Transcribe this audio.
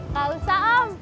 gak usah om